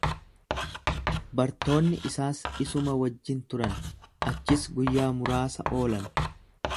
Bartoonni isaas isuma wajjin turan, achis guyyaa muraasa oolan.